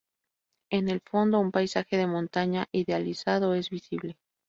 En el fondo, un paisaje de montaña idealizado es visible.